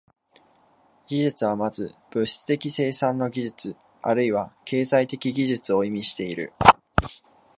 技術は先ず物質的生産の技術あるいは経済的技術を意味している。